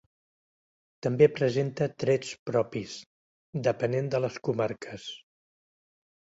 També presenta trets propis, depenent de les comarques.